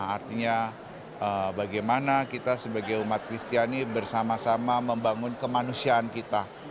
artinya bagaimana kita sebagai umat kristiani bersama sama membangun kemanusiaan kita